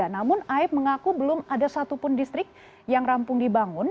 namun aib mengaku belum ada satupun distrik yang rampung dibangun